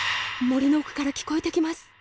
森の奥から聞こえてきます！